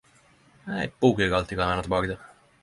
Ei bok eg alltid kan vende tilbake til.